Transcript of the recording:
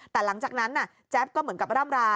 แต่หลังจากนั้นแจ๊บก็เหมือนกับร่ำรา